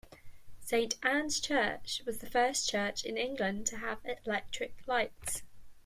Saint Anne's Church was the first church in England to have electric lights.